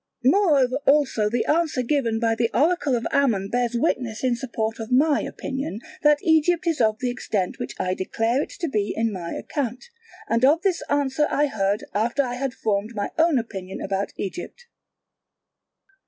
Moreover also the answer given by the Oracle of Ammon bears witness in support of my opinion that Egypt is of the extent which I declare it to be in my account; and of this answer I heard after I had formed my own opinion about Egypt.